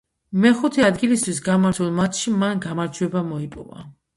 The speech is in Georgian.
მეხუთე ადგილისთვის გამართულ მატჩში მან გამარჯვება მოიპოვა.